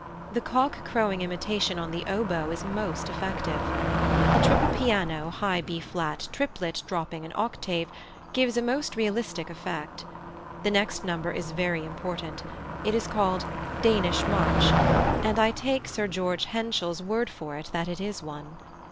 The cock crowing imitation on the oboe is most effective. The triple piano, high B flat, triplet dropping an octave, gives a most realistic effect. The next number is very important. It is called "Danish March," and I take Sir George Henschel's word for it that it is one.